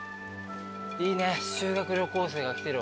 いいね修学旅行生が来てるわ。